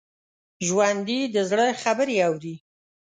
ژوندي د زړه خبرې اوري